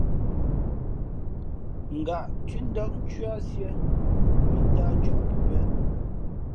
Ngǎʼ thʉ́ndák ncwíá sīē mᾱntāh cᾱʼ pəpēʼ.